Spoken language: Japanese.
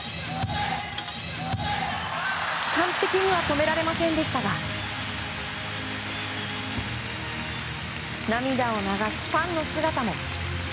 完璧には止められませんでしたが涙を流すファンの姿も。